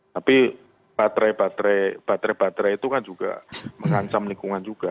tapi baterai baterai itu kan juga merancang lingkungan juga